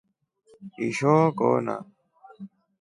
Ishoo kona.